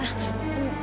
kamu harus berhati hati